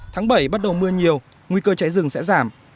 tháng bảy bắt đầu mưa nhiều nguy cơ cháy rừng sẽ giảm